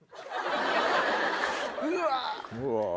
うわ。